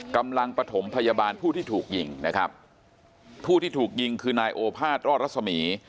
กำลังปฐมพยาบาลผู้ที่ถูกยิงนะครับผู้ที่ถูกยิงคือนายโอภาษรอดรัศมี